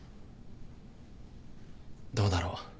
どうだろう